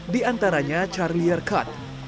di antaranya charlier cut